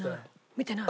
見てない。